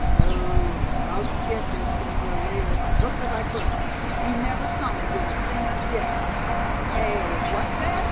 Oh! I'll get there, sooner or later, by hook or by crook. You never saw me give a thing up yet." "Hey! what's that?"